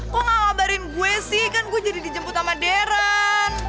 kok gak ngabarin gue sih kan gue jadi dijemput sama deran